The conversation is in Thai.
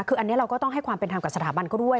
คืออันนี้เราก็ต้องให้ความเป็นธรรมกับสถาบันเขาด้วย